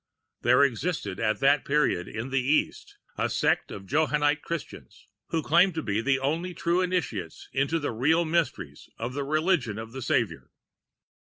There existed at that period in the East a Sect of Johannite Christians, who claimed to be the only true Initiates into the real mysteries of the religion of the Saviour.